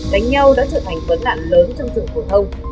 đánh nhau đã trở thành vấn đạn lớn trong trường phổ thông